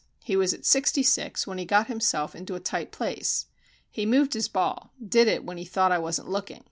He was at sixty six when he got himself into a tight place. He moved his ball did it when he thought I wasn't looking.